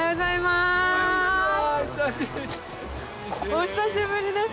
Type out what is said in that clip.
お久しぶりです。